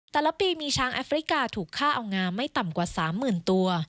แต่ละปีมีช้างแอฟริกาถูกฆ่าเอางาไม่ต่ำกว่า๓๐๐๐ตัว